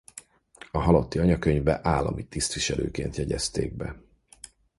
A halotti anyakönyvbe állami tisztviselőként jegyezték be.